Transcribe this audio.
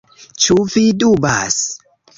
Ĉu vi dubas?